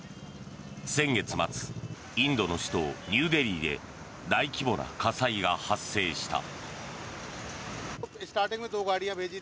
先月末インドの首都ニューデリーで大規模な火災が発生した。